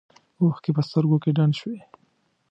اوښکې په سترګو کې ډنډ شوې.